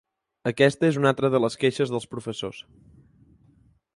Aquesta és una altra de les queixes dels professors.